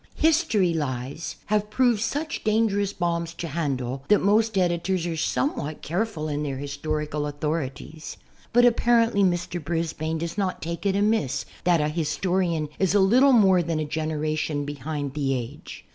"History lies" have 15 16 SI'XOXD HAXl^ lllSTOKV proved such dangerous l)oml)s to handle that most editors are somewhat careful about their historical authorities. But apparently Mr. Brisbane does not take it amiss that a historian is a little more than a generation behind the age.